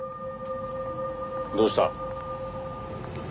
どうした？